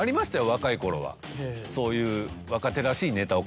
若い頃はそういう。